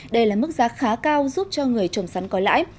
đây là mức giá khá cao giúp cho người trồng sắn có lãi